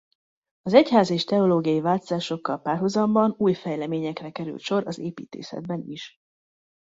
Az egyházi és teológiai változásokkal párhuzamban új fejleményekre került sor az építészetben is.